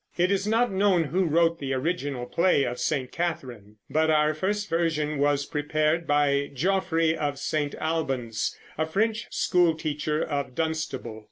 It is not known who wrote the original play of St. Catherine, but our first version was prepared by Geoffrey of St. Albans, a French school teacher of Dunstable.